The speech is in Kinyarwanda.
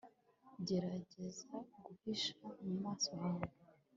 gerageza guhisha mu maso hawe